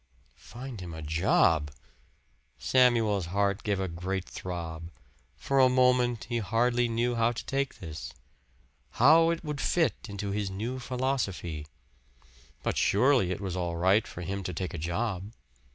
Find him a job! Samuel's heart gave a great throb. For a moment he hardly knew how to take this how it would fit into his new philosophy. But surely it was all right for him to take a job.